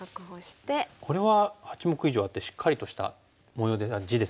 これは８目以上あってしっかりとした地ですよね。